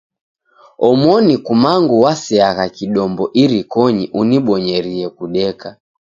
Omoni kumangu waseagha kidombo irikonyi unibonyerie kudeka.